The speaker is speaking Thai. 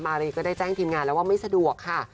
รีก็ได้แจ้งทีมงานแล้วว่าไม่สะดวกค่ะ